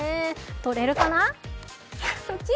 取れるかな？